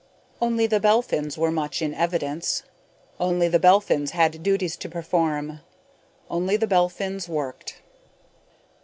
Only the Belphins were much in evidence. Only the Belphins had duties to perform. Only the Belphins worked.